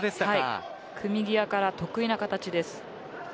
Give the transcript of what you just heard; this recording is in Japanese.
組み際から得意な形です。